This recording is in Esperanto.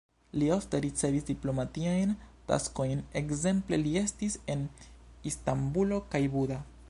Li ofte ricevis diplomatiajn taskojn, ekzemple li estis en Istanbulo kaj Buda.